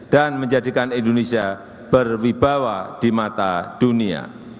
dan menjadikan indonesia berwibawa di mata dunia